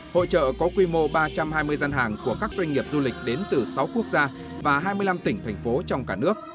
hội trợ có quy mô ba trăm hai mươi gian hàng của các doanh nghiệp du lịch đến từ sáu quốc gia và hai mươi năm tỉnh thành phố trong cả nước